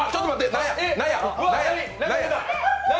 何や！